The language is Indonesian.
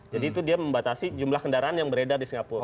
jadi itu dia membatasi jumlah kendaraan yang beredar di singapura